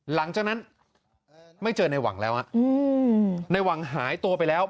หลังจากนั้นไม่เจอในหวังแล้วในหวังหายตัวไปแล้ว